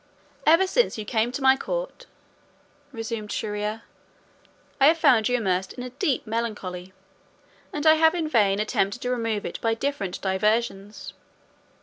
"Ever since you came to my court," resumed Shier ear, "I have found you immersed in a deep melancholy, and I have in vain attempted to remove it by different diversions.